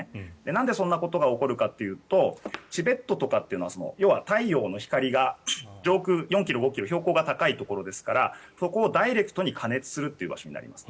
なんでそんなことが起こるかというとチベットというのは要は太陽の光が上空４ｋｍ、５ｋｍ標高が高いところですからそこをダイレクトに加熱するという場所になります。